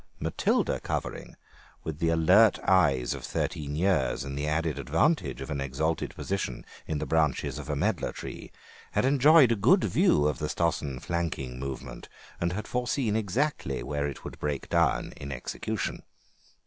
Matilda Cuvering, with the alert eyes of thirteen years old and the added advantage of an exalted position in the branches of a medlar tree, had enjoyed a good view of the Stossen flanking movement and had foreseen exactly where it would break down in execution.